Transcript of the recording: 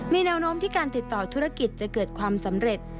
มีแนวโน้มที่การติดต่อธุรกิจจะเกิดความสำเร็จ